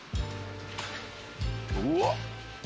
「うわっ！